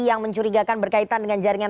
yang mencurigakan berkaitan dengan jaringan